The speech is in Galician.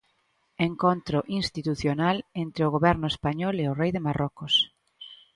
Encontro institucional entre o Goberno español e o rei de Marrocos.